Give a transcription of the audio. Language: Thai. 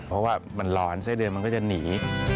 เพราะว่ามันร้อนไส้เดือนมันก็จะหนี